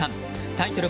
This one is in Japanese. タイトル